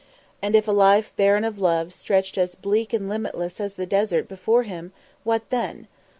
And if a life barren of love stretched as bleak and limitless as the desert before him, what then?